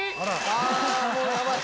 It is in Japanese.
ああもうやばい！